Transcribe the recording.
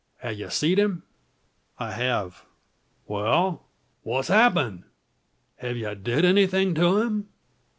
Have ye seed him?" "I have." "Wal; what's happened? Hev ye did anythin' to him?"